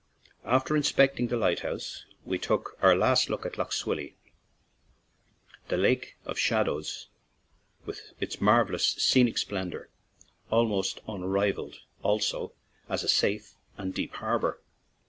After inspecting the light house, we took our last look at Lough S wil ly, that lake of shadows with its marvel lous scenic splendor, almost unrivalled also as a safe and deep harbor.